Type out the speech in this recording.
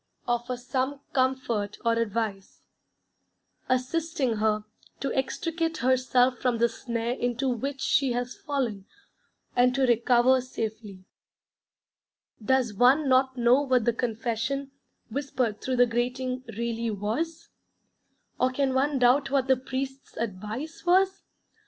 offer some comfort or advice, assisting her to extricate herself from the snare into which she has fallen, and to recover safety. Does one not know what the 'Confession,' whispered through the grating, really was? Or can one doubt what the Priest's advice was?